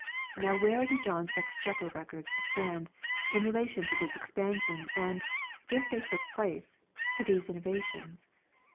Now where do John's Exchequer Records stand in relation to this expansion and, if they took place, to these innovations